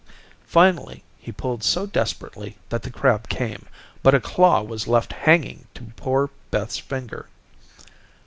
Finally, he pulled so desperately that the crab came, but a claw was left hanging to poor Beth's finger.